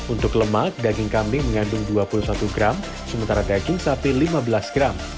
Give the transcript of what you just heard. untuk lemak daging kambing mengandung dua puluh satu gram sementara daging sapi lima belas gram